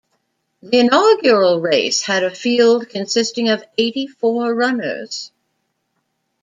The inaugural race had a field consisting of eighty-four runners.